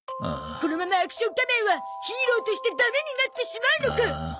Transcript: このままアクション仮面はヒーローとしてダメになってしまうのか。